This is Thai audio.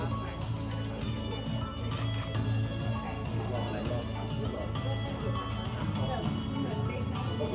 หนึ่งสองสามสามสามอีก